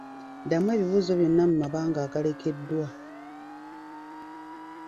Ddamu ebibuuzo byonna mu mabanga agalekeddwa.